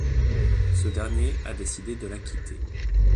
Ce dernier a décidé de la quitter.